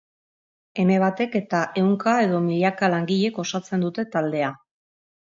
Eme batek eta ehunka edo milaka langilek osatzen dute taldea.